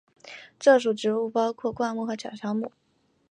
这属植物包括灌木和小乔木。